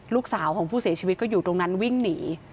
ลูกสาวของผู้เสียชีวิตก็อยู่ตรงนั้นวิ่งหนี